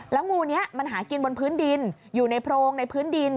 แล้วงูนี้มันหากินบนพื้นดินอยู่ในโพรงในพื้นดิน